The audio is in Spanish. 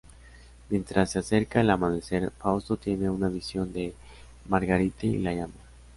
Mientras se acerca el amanecer, Fausto tiene una visión de Marguerite y la llama.